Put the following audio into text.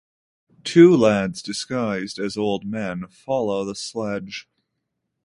Two lads disguised as old men follow the sledge.